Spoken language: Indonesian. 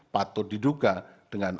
patut diduga dengan